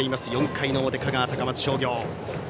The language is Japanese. ４回の表、香川・高松商業。